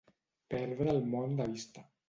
Perdre el món de vista.